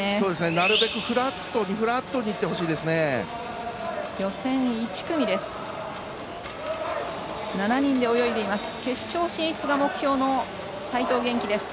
なるべくフラットにいってほしいですね。